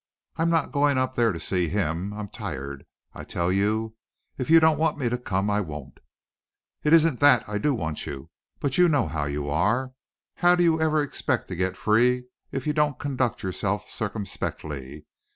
I'm not going up there to see him. I'm tired, I tell you. If you don't want me to come I won't." "It isn't that, I do want you. But you know how you are. How do you ever expect to get free if you don't conduct yourself circumspectly?